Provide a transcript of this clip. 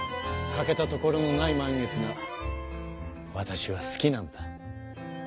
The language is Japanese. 欠けたところのない満月がわたしは好きなんだ。